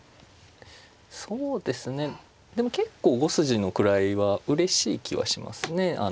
でも結構５筋の位はうれしい気はしますね。